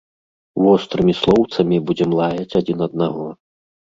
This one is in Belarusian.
Вострымі слоўцамі будзем лаяць адзін аднаго.